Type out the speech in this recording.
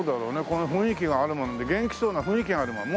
この雰囲気があるもんで元気そうな雰囲気があるもん。